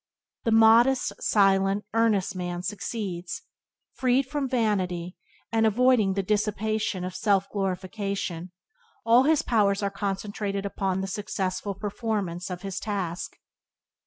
The modest, silent, earnest man succeeds: freed from vanity, and avoiding the dissipation of self glorification, all his powers are concentrated upon the successful performance of his task.